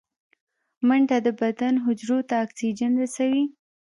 منډه د بدن حجرو ته اکسیجن رسوي